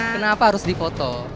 kenapa harus di foto